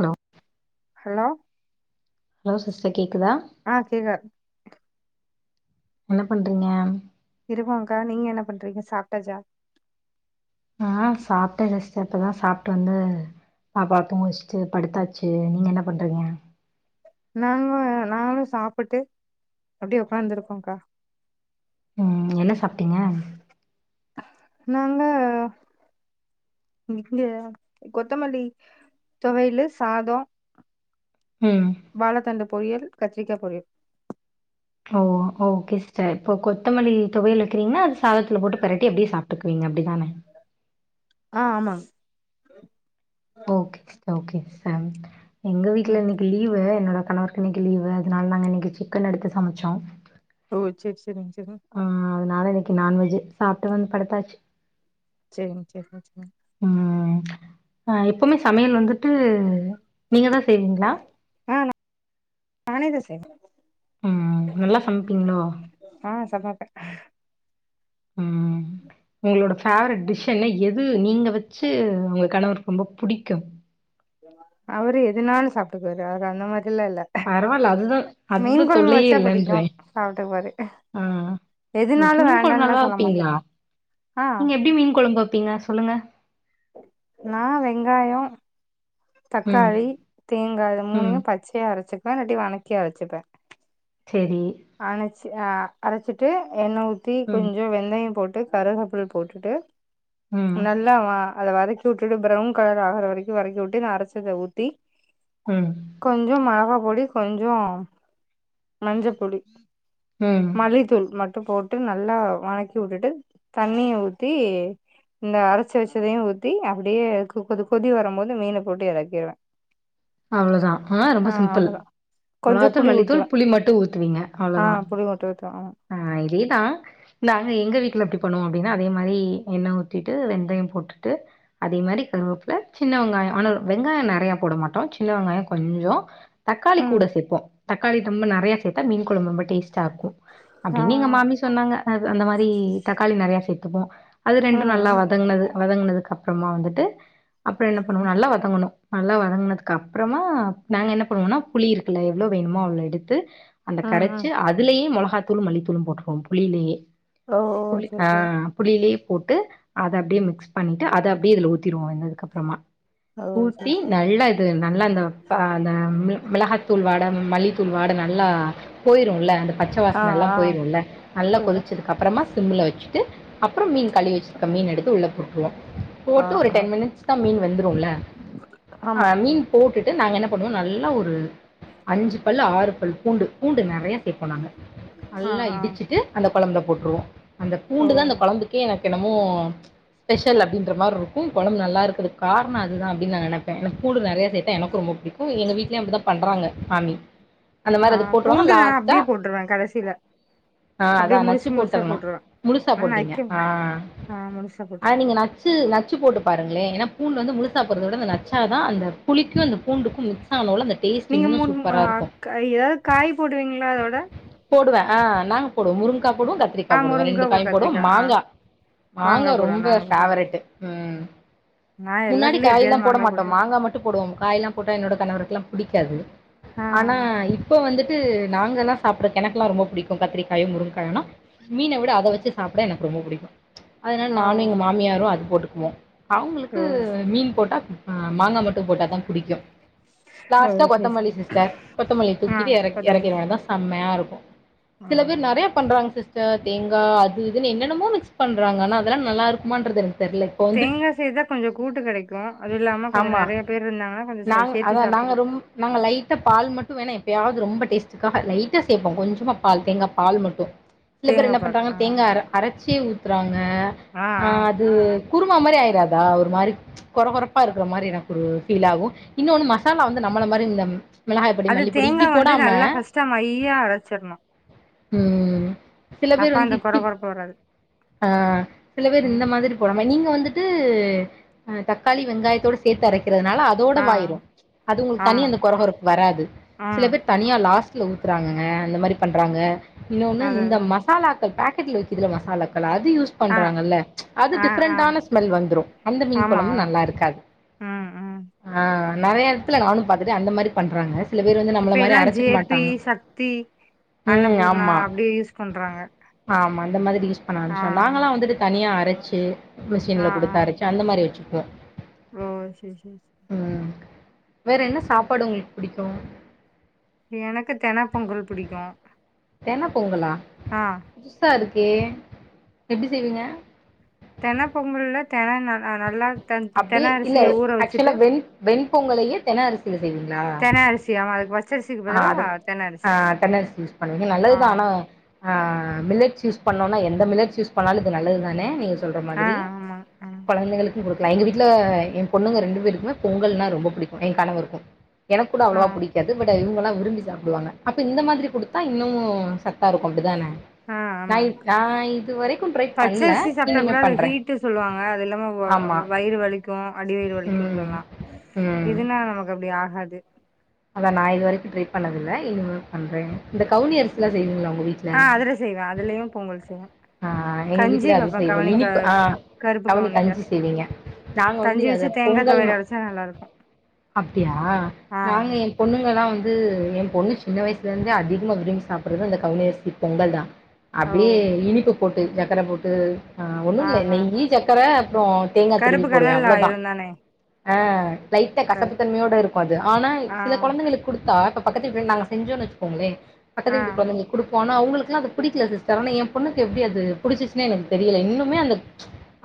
ம் hello hello sister கேக்குதா ஆஹ் கேக்குது என்ன பண்றீங்க இருக்கோ க்கா நீங்க என்ன பண்றீங்க சாப்பிட்டாஜா ஆஹ் சாப்பிட்டே ஜஸ்ட் அப்பதான் சாப்பிட்டு வந்து பாப்பாவ தூங்க வச்சிட்டு படுத்தாச்சு நீங்க என்ன பண்றீங்க நாங்களும் நாங்களும் சாப்பிட்டு அப்படியே உக்காந்துருக்கோம்கா ம் என்ன சாப்பிடிங்க நாங்க இங்க கொத்தமல்லி தொவையிலு சாதம் ம் வாழ தண்டு பொறியல் கத்திரிக்கா பொறியல் ஓ ஓகே சிஸ்டர் இப்போ கொத்தமல்லி தொவையல் வைக்றீங்கன்னா அ சாதத்துல போட்டு பெரட்டி அப்டியே சாப்ட்டுக்குவீங்க அப்டித்தான ஆ ஆமாங் ஓகே ஓகே சா எங்க வீட்டுல ம் இன்னைக்கு லீவு என்னோட கணவர் இன்னைக்கு லீவு அதனால நாங்க இன்னைக்கு சிக்கன் எடுத்து சமைச்சோம் ஓ சரி சரிங்க சரி ஆ அதனால இன்னைக்கி நான்வெஜ்ஜி சாப்பிட்டு வந்து படுத்தாச்சு சரிங்க சரிங்க சரி ம் அ எப்பவுமே சமையல் வந்துட்டு நீங்க தான் செய்வீங்களா ஆஹ் நானே தான் சே ம் நல்லா சமைப்பீங்களோ ஆஹ் சமைப்பே ம் உங்களோட ஃபேவரட் டிஷ் என்ன எது நீங்க வச்சு உங்க கணவர் ரொம்ப பிடிக்கும் அவரு எதனாலும் சாப்பிட்டுக்குவரு அ அந்த மாதிரி எல்லாம் இல்ல பரவாயில்ல அதுதான் மீன் அதுதான் கொழம்பு தொல்லையே வச்சா பிடிக்கு இல்லைன்றேன் சாப்ட்டுக்குவாரு ஆஹ் எதுனாலு ஓகே மீன் கொழம்பு வேண்டான்லா நல்லா சொல்ல மாட்டாரு வைப்பீங்ளா ஆ நீங்க எப்டி மீன் கொழம்பு வைப்பீங்க சொல்லுங்க நான் வெங்காயோ ம். தக்காளி தேங்கா இது ம். மூணையு பச்சையா அரச்சிப்பபே இல்லாட்டி வணக்கி அரச்சிப்பே செரி அணச்சி அரச்சிட்டு எண்ணெ ஊத்தி ம். கொஞ்சோ வெந்தயம் போட்டு கருகப்பில் போட்டுட்டு ம். நல்ல நல்லா மா அத வதக்கி உட்டுட்டு பிரவுன் கலர் ஆகுற வரைக்கு வரக்கி உட்டு நா அரச்சத ஊத்தி ம் கொஞ்சோ மெளகா பொடி கொஞ்சோ மஞ்ச பொடி ம் மல்லித்தூள் மட்டும் போட்டு நல்லா வணக்கி உட்டுட்டு தண்ணிய ஊத்தி இந்த அரச்சு வச்சதயும் ஊத்தி அப்டியே கொ கொதி வரும் போது மீன போட்டு எறக்கிருவே அவ்ளதா ஆ ரொம்ப சிம்பிள் கொஞ்சோ மொளகாத்தூள் புளி ஊத்துவே மல்லித்தூள் புளி மட்டும் ஊத்துவீங்க ஆ அவ்வளோதான். புளி மட்டு ஊத்துவோ ஆ இதேதான் நாங்க எங்க வீட்ல எப்டி பண்ணுவோ அப்டின்னா அதே மாரி எண்ண ஊத்திட்டு வெந்தயம் போட்டுட்டு அதே மாரி கருவப்புல சின்ன வெங்காயோ ஆனா வெங்காயோ நெறைய போட மாட்டோ சி ன்ன வெங்காயோ கொஞ்சோ தக்காளி ம் கூட சேப்போ தக்காளி [unintelligible] நெறைய சேத்தா மீன் கொழம்பு ரொம்ப டேஸ்ட் சாக்கு ஆ அப்டின்னு எங்க மாமி சொன்னாங்க அது அந்த மாரி தக்காளி நெறைய சேத்துப்போ அது ம் ரெண்டு நல்லா ம் வதங்னது வதங்னதுக்கு அப்றமா வந்துட்டு அப்றோ என்ன பண்ணுவோ நல்லா வதங்கணு நல்லா வதங்னதுக்கு அப்றமா நாங்க என்ன பண்ணுவோனா புளி இருக்ல எவ்ளோ வேணுமோ அவ்ளோ எடுத்து அந்த ம் கரைச்சு ம் அதுலயே மொளகாத்தூளு மல்லித்தூளு போட்டுவோ புளிலயே ஓ ஓ புளி சரி ஆ சரி புளிலயே போட்டு அத அப்டியே மிக்ஸ் பண்ட்டு அத அப்டியே இதுல ஊத்திடுவோ வெந்ததுக்கப்றமா ஓ சரி ஊத்தி சரி நல்ல நல்லா அந்த ப அந்த மிளகாத்தூள் வாட மல்லித்தூள் வாட நல்லா போய்ருல்ல அந்த பச்ச ஆ வாசனல்லா ஆ போயிருல்ல நல்லா புரியுது கொதிச்சதுக்கு அப்றமா சிம்ல வச்சுட்டு அப்றோ மீன் கழுவி வச்சிருக்க மீன் எடுத்து உள்ள போட்ருவோ ஆ போட்டு ஒரு ஆ டென் மினிட்ஸ் தா மீன் வெந்துருல்ல ஆ ஆமாங்க மீன் போட்டுட்டு நாங்க என்ன பண்ணுவோ நல்லா ஒரு அஞ்சு பல் ஆறு பல் பூண்டு பூண்டு நெறைய சேப்போ நாங்க ஆ நல்லா ஆ இடிச்சிட்டு அந்த கொழம்புல போட்ருவோ அந்த ஓ பூண்டுதா அந்த கொழம்புக் க்கே எனக் என்னமோ ஸ்பெஷல் அப்டின்ற மாரி இருக்கு கொழம்பு நல்லா இருக்கறது காரணோ அதுதா அப்டின் நா நனைப்ப எனக் பூடு நெறைய சேத்தா எனக்கு ரொம்ப புடிக்கு எங்க வீட்லயு அப்டிதா பண்றாங்க சாமி அந்த ஆ மாரி அது போட்ருவாங்கா பூண்டு நா லாஸ்ட்டா அப்டியே போட்டுருவே கடைசில ஆ அதா அப்டியே நச்சு முழுசு முழுசா போட்டுர்ணு போட்டுருவே முழுசா நா போவீங்க நைக்க ஆ மாட்டே ஆ முழுசா அத போட்டுருவே நீங்க நச்சு ச்சு நச்சு போட்டு பாருங்ளே ஏனா பூண்டு வந்து முழுசா போட்றதவிட இந்த நச்சா தா அந்த புளிக்கு அந்த பூண்டுக்கு மிக்ஸ் ஆனவுல அந்த டேஸ்ட் நீங்க இன்னும் மூணு அ சூப்பராக இருக்கும் கா ஏதாது காய் போடுவீங்களா அதோட போடுவ அ நாங்க போடுவோ முருங்கா போடுவோ கத் திரிக்கா ஆ போடுவ முருங்கா ரெண்டு போ காயு போடுவோ கத்திரிக்கா ஆ மாங்கா மாங்கா போடுவோ ரொம்ப நாங்களு போடுவோ பேவரட்டு ம் நா முன்னாடி எல்லாத்துலயு காய் எல்லா எப்டியாவது போட மாட்டோமா போட்டுருவே மாங்கா மட்டு போடுவோம் காய் எல்லா போட்டா என்னோட கணவருக்குல்லா புடிக்காது ஆ ஆனா இப்போ வந்து ட்டு நாங்க எல்லா சாப்ட எனக்கெல்லா ரொம்ப புடிக்கு கத்திரிக்காயு முருங்காயல்லா மீன விட அத வச்சு சாப்ட எனக்கு ரொம்ப புடிக்கு அதனால ஆ நானு எங்க மாமியாரு அது போட்டுக்குவோ ஓ அவங்களுக்கு ஓ சரி மீன் போட்டா மாங்கா மட் டு போட்டா தா புடிக்கு ஓ லாஸ்ட்டா சரி சரி கொத்தமல்லி சிஸ்டர் கொத்தமல்லி ஆ தூக்கிட்டு எறக் பாத்துக்கோங்க எறக்கிருவதா செம்மையா இருக்கு சில பேர் ம் நெறைய பண்றாங்க சிஸ் டர் தேங்கா அது இதுனு என்னென்னமோ மிக்ஸ் பண்றாங்க ஆனா அதெல்லா நல்லா இருக்குமான்றது எனக்கு தெர்ல இப்ப வந்து தேங்கா சேத்தா கொஞ்சோ கூட்டு கெடைக்கு அது இல்லாம கொஞ்சோ ஆமா நெறைய பேர் இருந்தாங்னா கொஞ்சோ நாங் சேத்தி அதா நாங்க சாப்டுபோ ரொம் நாங்க லைட்டா பால் மட்டு வேணா எப்பயாவது ரொம்ப டேஸ்ட்க்காக லைட்டா சேப்போ கொஞ்சமா பால் தேங்கா பால் மட்டு சில பேர் தேங்கா என்ன பால் பண்றாங்க ஆ தேங்கா அர அரச்சே ஊத்துறாங்க ஆ அ ஆ அ குருமா மாரி ஆய்றாதா ஒரு மாரி கொற கொற ப்பா இருக்கிற மாரி எனக்கு ஒரு பீல் ஆகு இன்னொன்னு மசாலா வந்து நம்மள மாரி இந்த மிளகாய் பொடி அது மல்லிப்பொடி தேங்கா இப்டி வந்து போடாம நல்லா ஃபர்ஸ்ட்டு மையா அரச்சிட்ணு ம் சில அப்ப பேர் வந்து அந்த கொற இட்டிப் கொறப்பு வராது சில பேர் ம் இந்த மாதிரி போடாம நீங்க வந்துட்டு அ தக்காளி வெங்காயத்தோட சேத்து அரைக்கிறதுனால ஆ தோடவாயிரு அது உங்களுக்கு தனியா ஆமா அந்த கொர கொரப்பு வராது சில ம் பேர் தனியா லாஸ்ட்ல ஊத்துறாங்கங்க அந்த மாரி பண்றாங்க இன்னொன்னு அது இந்த அதா மசாலாக்கள் பக் கெட்ல விக்குதுல்ல மசாலாக்கள் அது யூஸ் ஆ பண்றாங்கல்ல அது ஆ ஆ டிஃப்ரெண்டான ஸ்மெல் வந்துரு அந்த மீன் கொழம்பு நல்லாருக் ஆ ஆ ஆ நெறைய எடத்துல நானும் பாத்துட்ட அந்த மாரி பண்றாங்க சில பேர் வந்து நம்மள இப்ப மாரி எல்லா ஜே அரைச்சுக்க பி மாட்டாங்க சக்தி ம் அன்னபூர்ணா ஆமா அப்டியே யூஸ் பண்றாங்க ஆமா அந்த மாதிரி யூஸ் பண்ண ஆ ஆரமிச்ச நாங்கள்லா வந்துட்டு தனியா அரைச்சு ஆ மிஷின்ல குடுத்து அரைச்சு அந்த மாரி வச்சிக்குவோ ஆ சரி சரி ம் வேற என்ன சாப்பாடு உங்களுக்கு புடிக்கு எனக்கு தென பொங்கல் புடிக்கும் தென பொங்கலா ஆ புதுசா இருக்கே எப்டி செய்வீங்க தென பொங்கல்ல தென ந நல்லா தெ தென அப்டியே இல்ல அரிசிய ஊற வச்சுட்டு ஆக்சுவலா வெண் வெண் பொங்கலையே தென அரிசில செய்வீங்களா தென அரிசி ஆமா அதுக்கு பச்சரிசிக்கு ஆ பதிலா அது தென ஆ அரிசி தென அரிசி யூஸ் பண்ணுவீங்க ஆ நல்லதுதா ஆனா ஆ மில்லட்ஸ் யூஸ் பண்ணோனா எந்த மில்லட்ஸ் யூஸ் பண்ணாலு அது நல்லது தானே நீங்க சொல்ற ஆ மாதிரி ஆமா ஆ கொழந்தைங்களுக்கு குடுக்கலா எங்க வீட்ல ஏ பொண்ணுங்க ரெண்டு பேருக்குமே பொங்கல்னா ரொம்ப புடிக்கு என் கணவருக்கு எனக்கூட ஆ அவ்ளவா பிடிக்காது பட் இவுங்கள்லா விரும்பி சாப்டுவாங்க அப்ப இந்த மாதிரி குடுத்தா இன்னும் சத்தா இருக்கு அப்டி தானே ஆ நா ஆமாங்க இப் நா இது வரைக்கும் ட்ரை பண்ல பச்சரிசி சாப்ட்டா இனிமே கூட அது பண்ற ஹீட்டு சொல்லுவாங்க அது இல்லாம வ ஆமா வயிறு வலிக்கும் அடி வயிறு வலிக்கும் சொல்லலா ம் இதுன்னா நமக்கு அப்டி ஆகாது அதா நா இது வரைக்கு ட்ரை பண்ணதில்ல இனிமே பண்றேங் இந்த கவுனி அரில்லா செய்வீங்களா உங்க வீட் ஆ அதுல செய்வ அதுலயும் பொங்கல் செய்வ ஆ எங்க வீட்லயே அது செய்வோ இனிப்பு ஆ கருப்பு கவனி கவுனில கஞ்சி செய்வீங்க நாங்க வந்து கஞ்சி அத வச்சு தேங்கா பொங்கல் துவையல் மா அரச்சா நல்லா இருக்கு அப்டியா ஆ நாங்க என் பொண்ணுங்கல்லா வந்து என் பொண்ணு சின்ன வயசுல இருந்தே அதிகமா விரும்பி சாப்புறது இந்த கவுனி அரிசி பொங்கல் தா ஓ அப்டியே இனிப்பு போட்டு சக்கர போட்டு ஆ ஒண்ணுல்ல நெய்யி சக்கர அப்புற தேங்கா திருவி கருப்பு போடுவே கலர்ல அவ்ளதா ஆயிரு தானே ஆ லைட்டா கரு கசப்புத் தன்மையோட இருக்கு அது ஆனா சில ஆ குழந்தைகளுக்கு கொடுத்தா பக்கத்து வீட்ல நாங்க செஞ்சோன்னு வச்சுக்கோங்களே ஆ பக்கத்து வீட்டு கொழந்தைங்களுக்கு குடுப்போ ஆனா அவுங்களுக்குலா அது புடிக்கல சிஸ்டர் ஆனா ஏ பொண்ணுக் கு எப்டி அது புடிச்சிச்சுன்னே எனக்கு தெரில இன்னுமே அந்த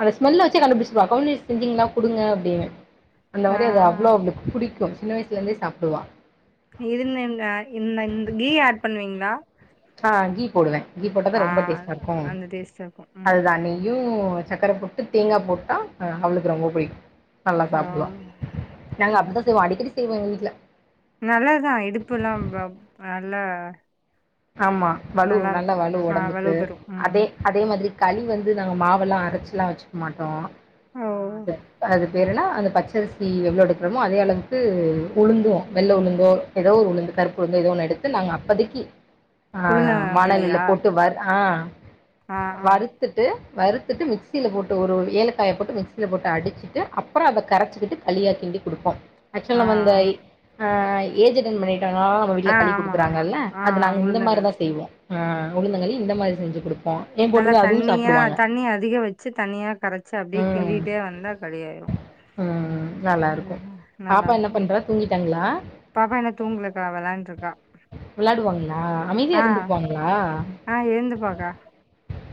அந்த ஸ்மெல்ல வச்சே கண்டுபிடிச்சிருவா கவுனி அரிசி செஞ்சிங்களா குடுங்க அப்டின்னு அந்த ஆ மாரி அது அவ்வளோ ஆ அவளுக்கு புடிக்கும் சின்ன வயசுல இருந்தே சாப்டுவா இதுேல இந்த இந்தந்த கீ ஆட் பண்ணுவீங்களா ஆ கீ போடுவே கீ போட்டாதா ஆ ரொம்ப டேஸ்ட்டா இருக்கும் அந்த டேஸ்ட்டா இருக்கு ம் அதுதா நெய் யு சக்கர போட்டு தேங்கா போட்டா அவளுக்கு ரொம்ப புடிக்கு நல்லா ஓ சாப்டுவா நாங்க அப்டிதா செய்வோ அடிக்கடி செய்வே எங்க வீட்ல நல்லதா இடுப்பு எல்லா ஆ நல்லா ஆமா வலு நல்லா நல்ல இருக்கு வலு ஆ வலு ஒடம்புக்கு பெறு அதே ம் அதே மாதிரி களி வந்து நாங்க மாவெல்லா அரைச்சுல்லா வச்சுக்க மாட்டோ ஓ அது அது வேற என்னா அந்த பச்சரிசி எவ்வளோ எடுக்கிறோமோ அதே அளவுக்கு உளுந்தும் வெள்ள உளுந்து ஏதோ ஒரு உளுந்து கருப்புளுந்து ஏதோன்னு எடுத்து நாங்க அப்பதைக்கி ஆ வானலில உளுந்தங்களியா போட்டு வறு ஆ ஆ ஆ வறுத் துட்டு வறுத்துட்டு மிக்சில போட்டு ஒரு ஏலக்காய போட்டு மிக்சில போட்டு அடிச்சுட்டு அப் அப்ற அத கரைச்சுக்கிட்டு களியா கிண்டி குடுப்போ ஆக்சுவலா ஆ ஆ நம்ம அந்த ஆ ஏஜ் அட்டண்ட் பண்ணிட்டாங்கன்னா நம்ம வீட்ல ஆ களி ஆமா ஆமா குடுக்குறாங்கல்ல ஆ அது நாங்க உளுந்தங்களி செய்வோ ஆ உழுந்தங்களி இந்த மாதிரி செஞ்சு குடுப் நல்லா தண்ணியா தண்ணி அதிக வச்சு தண்ணியா கரைச்சு அப்படியே கிண்டிட்டே வந்தா காலியாயிரும் உம் நல்லா இருக்கும் நல்லா பாப்பா என்ன பண்றா இருக்கு தூங்கிட்டாங்களா பாப்பா இன்னு தூங்கலக்கா விளையாண்டுருக்கா விளையாடுவாங்களா அமைதியா இருந்துக்குவாங்களா ஆ இருந்துப்பாக்கா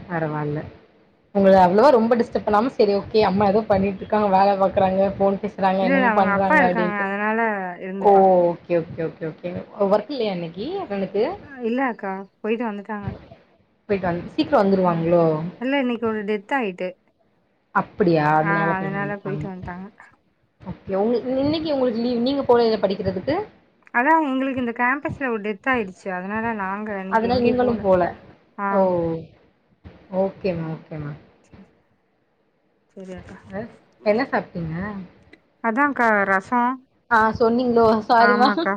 பரவாயில்ல உங்கள அவ்வளோ ரொம்ப டிஸ்டர்ப் பண்ணாம சரி ஓகே அம்மா எதோ பண்ணிட்டு இருக்காங்க வேல பாக்குறாங்க ஃபோன் பே சுறாங்க இல்ல இல்ல என்னமோ அவங்க அப்பா பண்றாங்க இருக்காங்க அப்படின்ட்டு அதனால ஓ இருந்துப்பா. Okay okay okay okay work இல்லையா இன்னைக்கு உங்களுக்கு இல்ல அக்கா போயிட்டு வந்துட்டாங்க போயிட்டு வநு ஆ இல்ல இன்னைக்கு ஒரு டெத் ஆயிட்டு ஆ அதனால போயிட்டு வந்துட்டாங்க ஓகே உங்களுக்கு இன்னைக்கு உங்களுக்கு லீவ் நீங்க போலையா படிக்கிறதுக்கு அதான் உங்களுக்கு இந்த கேம்பஸ்ல ஒட் டெத் ஆயிடுச்சு அதனால நாங்க இன்னைக்கு அதனால எங்கேயும் போல நீங்களும் ஆ ஓகேமா ஓகேமா சரி அக்கா. அ என்ன சாப்ட்டீங்க அதான்க்கா ரசம் ஆ சொன்னீங்களோ சாரிமா ஆமாக்கா.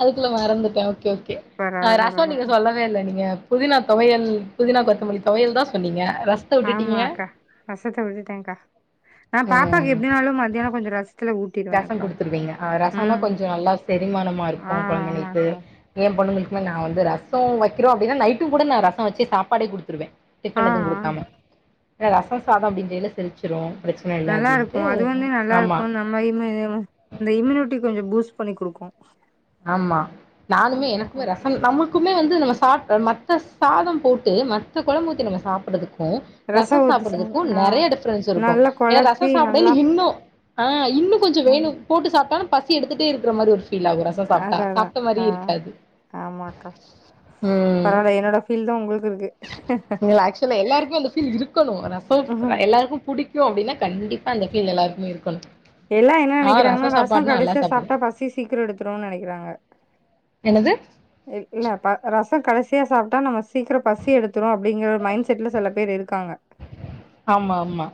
அதுக்குள்ள மறந்துட்டேன் ஓகே ஓகே பரவால ரசம் நீங்க பரவாலக்கா. சொல்லவே இல்ல நீங்க புதினா தொவையல் புதினா கொத்தமல்லி தொவையல் தான் சொன்னீங்க ரசம் ஆமா அக்கா ரசத்த விட்டுட்டேன்க்கா நா பாப்பாக்கு ம். எப்படினாலும் மத்தியானம் கொஞ்சம் ரசத்துல ஊட்டிருவேன் ரசம் அக்கா. குடுத்துருவீங்க அ ரசம்னா ம். கொஞ்சம் நல்லா செரிமானமா ஆ இருக்கும் குழந்தைளுக்கு ஆமாக்கா. ஏன் பொண்ணுங்களுக்குமே நா வந்து ரசம் வைக்கிறோம் அப்படின்னா நைட்டும் கூட நா ரசம் வச்சு சாப்பாடே குடுத்துருவேன் ஆ டிஃபன் எதுவும் ஆ. குடுக்காம ஏன்ன ரசம் சாதம் அப்படின்றதல செரிச்சிரும் நல்லா இருக்கும் அது வந்து நல்லா இருக்கும் நம் மைமத இந்த இம்யூனிட்டி கொஞ்சம் பூஸ்ட் பண்ணி குடுக்கும் ஆமா நானுமே எனக்கு ரசம் நம்ம க்குமே வந்து நம்ம சாப்ட மத்த சாதம் போட்டு மத்த கொழம்பு ஊத்தி நம்ம சாப்ட்றதுக்கும் ரசோ ரசம் ஊத்தி சாப் சாப்ட்டுறதுக்கும் ஆ நெறைய டிஃப்ரென்ஸ் இருக்கும் நல்லா ஏன்னா கொழப்பி ரசம் நல்லா சாப்பிடல இன்னும் ஆ இன்னும் கொஞ்சம் ம் வேணும் போட்டு சாப்பிட்டான பசி எடுத்துட்டே இருக்க மாதிரி ஒரு ஃபீல் ஆகுற அதா அதான் ஆ ஆமாக்கா ம் பரவாயில்ல என்னோட கில்டும் உங்களுக்குக்கு இருக்கு ஆக்சுவலா எல்லாருமே அந்த ஃபீல் இருக்கணும் ரசம் ம் எல்லாருக்கும் பிடி க்கும் அப்டின்னா கண்டிப்பா அந்த ஃபீல் எல்லாருக்குமே இருக்கணும் எல்லா என்ன நினைக்கிறாங்கன்னா ரசம் கடைசியா சாப்டுவே சாப்ட்டா பசி சீக்கிரம் எடுத்துரும்னு நெனைக்கிறாங்க என்னது இல்ல ப ரசம் கடைசியா சாப்ட்டா நம்ம சீக்கிரம் பசி எடுத்துரும் அப்படிங்கிற ஒரு மைண்ட் செட்ல சில பேர் இருக்காங்க ஆமா ஆமா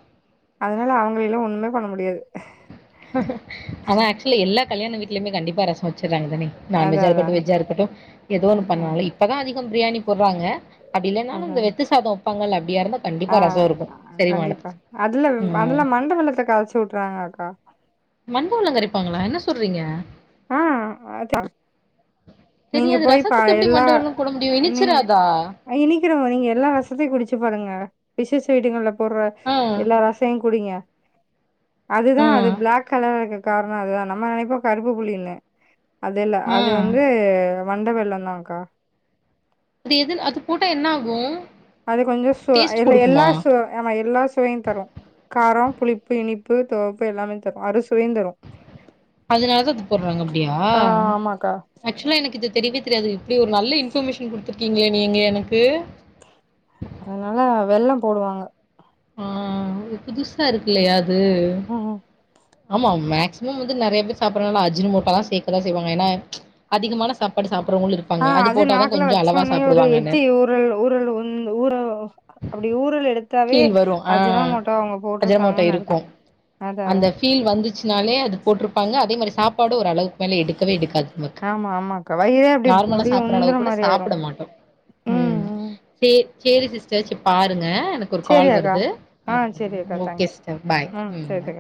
அதனால அவுங்கள எல்லாம் ஒண்ணுமே பண்ண முடியாது அதான் ஆக்சுவலி எல்லா கல்யாணம் வீடலயுமே கண்டிப்பா ரசம் வச்சுடுறாங்கதனே அதா நான்வெஜ்ஜா அதா இருக்கட்டும் வெஜ்ஜா இருக்கட்டும் எதோ ஒன்னு ஆ பண்ணுவாங்க இப்பதான் அதிகம் பிரியாணி போட்றாங்க அப்படி இல்லனாலும் அதா இந்த வெத்து சாதம் வப்பாங்கள அப்படியா இருந்தா ஆ கண்டிப்பா ரசம் இருக்கும் கண்டிப்பா செரிமானத்துக்கு அதுல அதுல ம் மண்டவெல்லத கறச்சி உட்ருவாங்கக்கா மண்டவெள்ளோ கரைப்பாங்களா என்ன சொல்றீங்க ஆ அதா நீங்க தெரியாது போய் பா ரசத்துக்கு எப்படி எல்லா மண்டவெல்லம் போட முடியும் நீங்க இனிச்சிராதா அ இனிக்கிறமோ நீங்க எல்லா ரசத்தையு‌ குடிச்சு பாருங்க விசேஷ வீடுங்கள்ல பொருவா ஆ எல்லா ரசையு குடிங்க அதுதா ஆ அது பிளாக் கலரா இருக்க காரணோ அதுதா நம்ம நனைப்போ கருப்பு புளின்னு அது இல்ல ஆ அது வந்து வண்ட வெள்ளோ தான்க்கா அது எது அது போட்டா என்ன ஆகு அது கொஞ்சோ சு எல்ல எல்லா சு ஆமா எல்லா சுவையு தரு காரோ புளிப்பு இனிப்பு துவர்ப்பு எல்லாமே தரு அறுசுவையு தரு அதனால தா அது போடறாங்க அப்டியா ஆ ஆமாக்கா ஆக்சுவலா எனக்கு இது தெரியவே தெரியாது இப்படி ஒரு நல்ல இன்ஃபர்மேஷன் குடுத்துருக்கீங்ளே நீங்க எனக்கு அதனால வெள்ளம் போடுவாங்க ம் இது புதுசா இருக்கு இல்லையா அது ம் ஆமா மேக்சிமம் வந்து நறைய பேர் சாப்றதுனால அஜினோமோட்டோ லா சேக்கதா செய்வாங்க ஏனா அதிகமான சாப்பாடு சாப்பறவுங்களுக் ஆ அது நாக்குல வச்சோனே ஒரு எச்சி ஊறல் ஊறல் உன் ஊற அப்டி ஊரல் எடுத்தாவே ஃபீல் வரு ஆ அஜினோமோட்டோ அவுங்க அஜினமோட்டோ போட்ருக்காங்கன்னு இருக்கு அர்த்தோ அதா அந்த அதா ஃபீல் வந்துச்சுனாலே அது போட்ருப்பாங்க அதே மாரி சாப்பாடு ஒரு அளவுக் குமேல எடுக்கவே எடுக்காது நமக்கு ஆமா ஆமாக்கா வயிறே அப்டி நார்மலா அப்டியே சாப்பற அளவு உந்துற கூட மாரி ஆயிரு சாப்பட மாட்டோ ம் சே சேரி சிஸ்டர் சே பாருங்க எனக் கு ஒரு சேரி கால் அக்கா வருது ஆ அ சேரி ம் அக்கா ஓகே தேங்க்யூ சிஸ்டர் பாய் ம் பாய்